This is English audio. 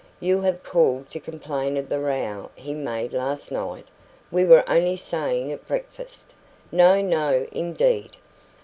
"You have called to complain of the row he made last night. We were only saying at breakfast " "No, no, indeed!"